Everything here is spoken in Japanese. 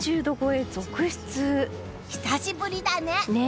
久しぶりだね。